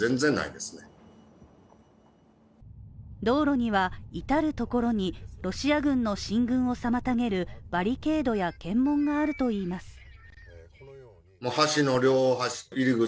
道路には、至る所にロシア軍の進軍を妨げるバリケードや検問があるといいます。